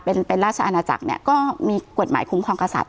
เป็นเป็นราชอาณาจักรเนี่ยก็มีกฎหมายคุ้มครองกษัตริย